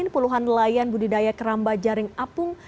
puluhan nelayan budidaya keramba jaring apung